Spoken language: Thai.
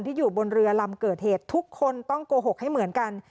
อยู่บนเรือลำเกิดเหตุทุกคนต้องโกหกให้เหมือนกัน